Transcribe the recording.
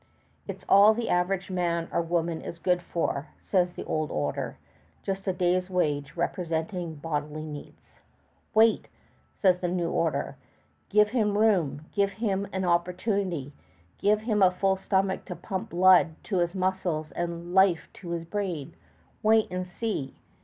"It's all the average man or woman is good for," says the Old Order, "just a day's wage representing bodily needs." "Wait," says the New Order. "Give him room! Give him an opportunity! Give him a full stomach to pump blood to his muscles and life to his brain! Wait and see!